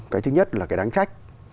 cái thứ nhất là cái đáng trách